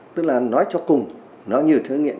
tức là nói cho cùng nó như thứ gây nghiện